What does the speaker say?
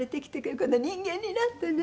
今度は人間になってね